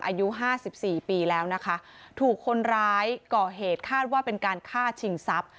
อายุห้าสิบสี่ปีแล้วนะคะถูกคนร้ายก่อเหตุคาดว่าเป็นการฆ่าชิงทรัพย์